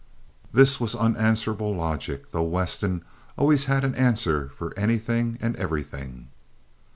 This was unanswerable logic, though Weston always had an answer for anything and everything.